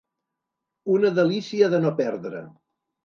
Una delícia de no perdre.